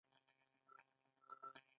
په غزني کې د بودايي اثار موندل شوي